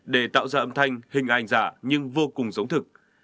để tạo ra âm thanh hình ảnh giả nhưng vô cùng giống thực